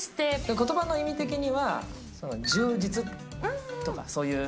ことばの意味的には、充実とか、そういう。